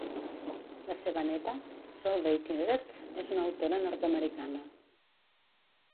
La seva neta, Solveig Eggerz és una autora nord-americana.